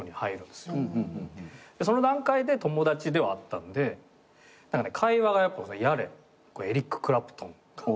その段階で友達ではあったんで会話がエリック・クラプトンとかね